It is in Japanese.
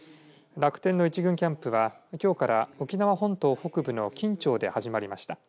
楽天の１軍キャンプはきょうから沖縄本島北部の金武町で始まりました。